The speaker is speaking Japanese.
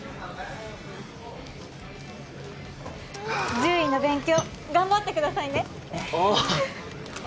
獣医の勉強頑張ってくださいねああ